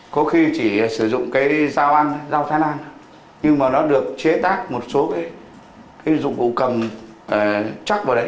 có khi chỉ sử dụng cái giao ăn giao thán ăn nhưng mà nó được chế tác một số cái dụng cụ cầm chắc vào đấy